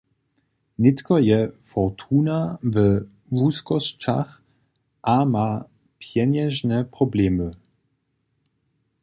Nětko je Fortuna we wuskosćach a ma pjenježne problemy.